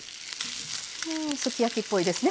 うんすき焼きっぽいですね。